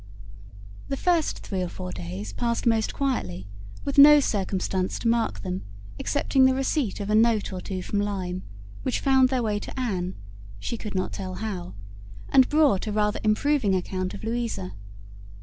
The first three or four days passed most quietly, with no circumstance to mark them excepting the receipt of a note or two from Lyme, which found their way to Anne, she could not tell how, and brought a rather improving account of Louisa.